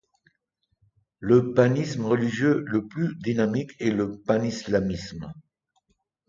Le panisme religieux le plus dynamique est le panislamisme.